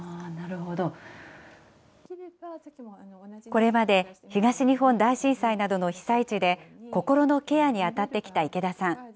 これまで東日本大震災などの被災地で、心のケアに当たってきた池田さん。